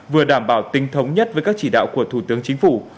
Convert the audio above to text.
vừa đảm bảo tinh thống nhất với các chỉ đạo của thủ tướng chính phủ